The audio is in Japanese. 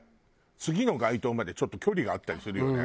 次の街灯までちょっと距離があったりするよね。